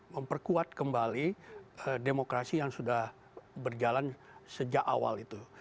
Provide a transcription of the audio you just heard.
memperkuat kembali demokrasi yang sudah berjalan sejak awal itu